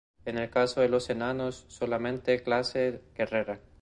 En el caso de los enanos solamente clase guerrera.